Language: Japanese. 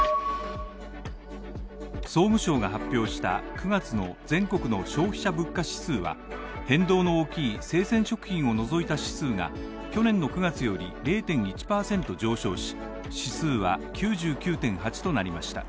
総務省が発表した９月の全国の消費者物価指数は、変動の大きい生鮮食品を除いた指数が去年の９月より０．１％上昇し指数は９９．８となりました。